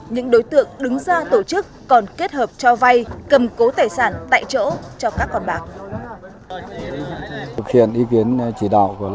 những đối tượng đứng ra tổ chức còn kết hợp cho vay cầm cố tài sản tại chỗ cho các con bạc